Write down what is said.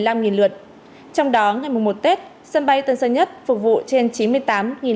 trong đó ngày mùng một tết sân bay tân sơn nhất phục vụ trên